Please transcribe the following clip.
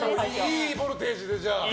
いいボルテージで、じゃあ。